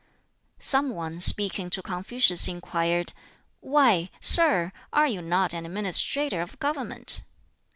Some one, speaking to Confucius, inquired, "Why, sir, are you not an administrator of government?"